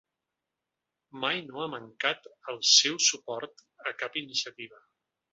Mai no ha mancat el seu suport a cap iniciativa.